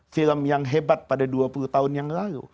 film yang hebat pada dua puluh tahun yang lalu